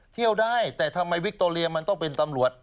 เที่ยวได้แต่ทำไมวิคโตเรียมันต้องเป็นตำรวจ